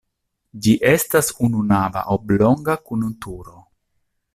Ĝi estas ununava oblonga kun turo.